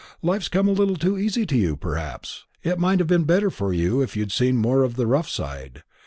Life's come a little too easy to you, perhaps. It might have been better for you if you'd seen more of the rough side.